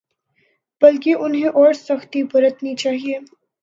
بلکہ انہیں اور سختی برتنی چاہیے۔